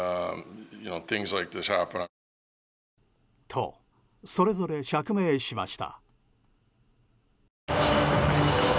と、それぞれ釈明しました。